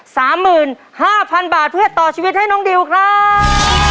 สามหมื่นห้าพันบาทเพื่อต่อชีวิตให้น้องดิวครับ